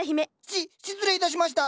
し失礼いたしました。